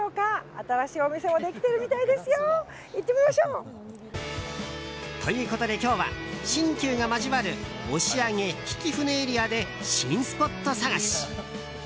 新しいお店もできてるみたいですよ！ということで今日は新旧が交わる押上・曳舟エリアで新スポット探し！